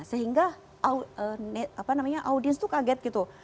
sehingga audiens itu kaget gitu